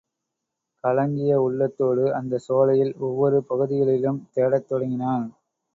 கலங்கிய உள்ளத்தோடு அந்தச் சோலையில் ஒவ்வொரு பகுதிகளிலும் தேடத் தொடங்கினான்.